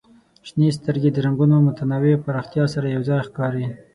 شنې سترګې د رنګونو متنوع پراختیا سره یو ځای ښکاري.